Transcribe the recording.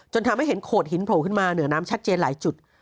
ทำให้เห็นโขดหินโผล่ขึ้นมาเหนือน้ำชัดเจนหลายจุด